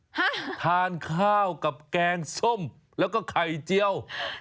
ฮะทานข้าวกับแกงส้มแล้วก็ไข่เจียว